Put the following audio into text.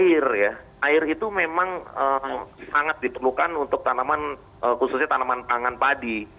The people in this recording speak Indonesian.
air ya air itu memang sangat diperlukan untuk tanaman khususnya tanaman pangan padi